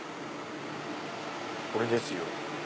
これですよ。